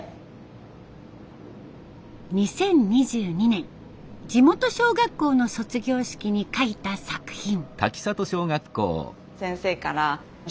２０２２年地元小学校の卒業式に描いた作品。